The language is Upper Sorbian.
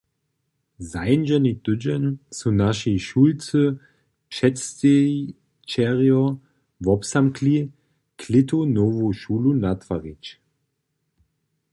Zańdźeny tydźeń su naši šulscy předstejićerjo wobzamkli, klětu nowu šulu natwarić.